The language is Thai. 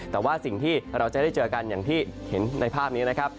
แต่ว่าสิ่งที่เราจะได้เจอกันอย่างที่เห็นในภาพนี้นะครับ